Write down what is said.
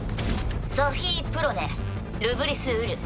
ソフィ・プロネルブリス・ウル。